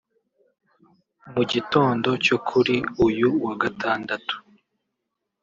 Mu gitondo cyo kuri uyu wa Gatandatu